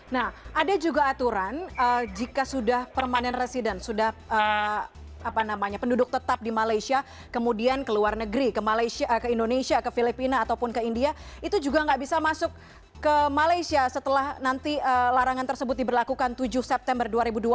nah ada juga aturan jika sudah permanent resident sudah penduduk tetap di malaysia kemudian ke luar negeri ke indonesia ke filipina ataupun ke india itu juga nggak bisa masuk ke malaysia setelah nanti larangan tersebut diberlakukan tujuh september dua ribu dua puluh